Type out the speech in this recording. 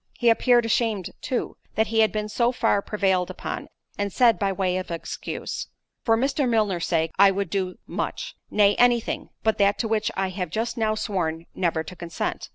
He appeared ashamed too, that he had been so far prevailed upon, and said, by way of excuse, "For Mr. Milner's sake I would do much—nay, any thing, but that to which I have just now sworn never to consent.